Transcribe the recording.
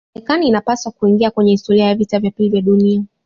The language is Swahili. marekani inapaswa kuingia kwenye historia ya vita vya pili vya dunia